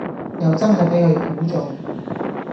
又真係俾佢估中